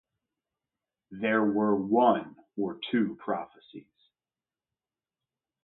There were one or two prophecies.